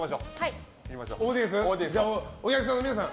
お客さんの皆さん